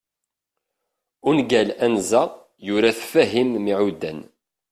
ungal anza, yura-t Fahim Meɛudan